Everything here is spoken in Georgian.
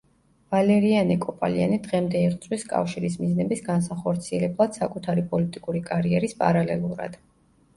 ვალერიანე კოპალიანი დღემდე იღწვის კავშირის მიზნების განსახორციელებლად საკუთარი პოლიტიკური კარიერის პარალელურად.